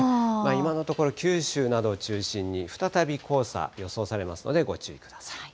今のところ、九州などを中心に再び黄砂、予想されますので、ご注意ください。